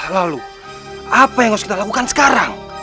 lalu apa yang harus kita lakukan sekarang